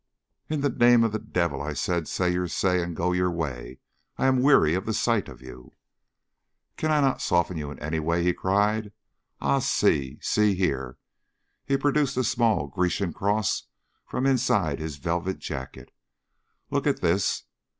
"In the name of the devil," I said, "say your say, and go your way. I am weary of the sight of you." "Can I not soften you in any way?" he cried. "Ah, see see here" he produced a small Grecian cross from inside his velvet jacket. "Look at this.